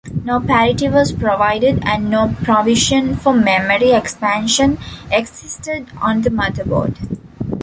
No parity was provided and no provision for memory expansion existed on the motherboard.